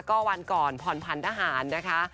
ก็วันเกินผ่อนผันทหารนะคะ